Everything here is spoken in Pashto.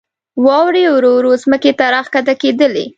واورې ورو ورو ځمکې ته راکښته کېدلې.